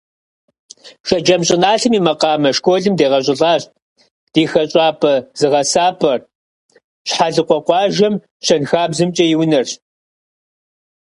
Шэджэм щӀыналъэм и макъамэ школым дегъэщӀылӀащ, ди хэщӀапӀэ-зыгъэсапӀэр Щхьэлыкъуэ къуажэм ЩэнхабзэмкӀэ и унэрщ.